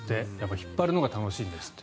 引っ張るのが楽しいんですって。